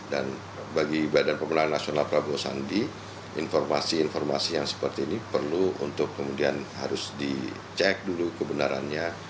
dan bagi bpn prabowo sandi informasi informasi yang seperti ini perlu untuk kemudian harus dicek dulu kebenarannya